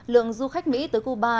lượng du khách mỹ tới cuba